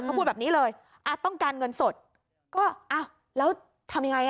เขาพูดแบบนี้เลยอ่ะต้องการเงินสดก็อ้าวแล้วทำยังไงอ่ะ